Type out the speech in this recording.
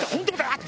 あっ！